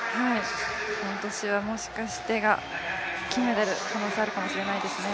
今年はもしかして金メダル、可能性あるかもしれないですね。